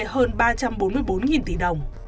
hơn ba trăm bốn mươi bốn tỷ đồng